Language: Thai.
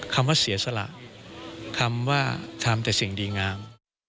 คำว่าเสียสละคำว่าทำแต่สิ่งดีงาม